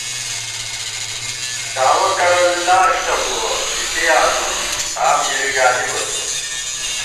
داوَہ کرنزلاݭٹہ بُوَہ، اِتےآنون قام گِری گالِبہ تو